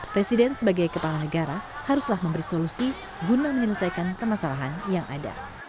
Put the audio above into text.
presiden sebagai kepala negara haruslah memberi solusi guna menyelesaikan permasalahan yang ada